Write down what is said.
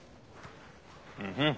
うん。